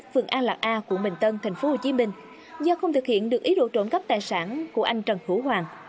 phường an lạc a của bình tân thành phố hồ chí minh do không thực hiện được ý đồ trộn cắp tài sản của anh trần hữu hoàng